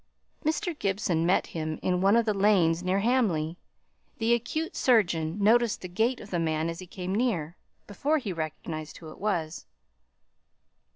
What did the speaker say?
Mr. Gibson met him in one of the lanes near Hamley; the acute surgeon noticed the gait of the man as he came near, before he recognized who it was.